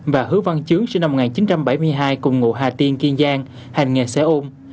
và hứa văn trứ sinh năm một nghìn chín trăm bảy mươi hai cùng ngụ hà tiên kiên giang hành nghề xe ôm